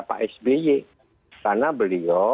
pak sby karena beliau